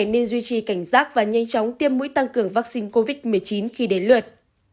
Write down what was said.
nên duy trì cảnh giác và nhanh chóng tiêm mũi tăng cường vaccine covid một mươi chín khi đến lượt